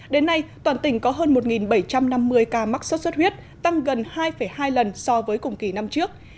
đến nay toàn tỉnh có hơn một bảy trăm năm mươi ca mắc sốt xuất huyết tăng gần hai hai lần so với cùng kỳ năm trước